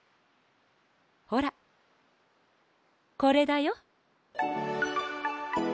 ほらこれだよ。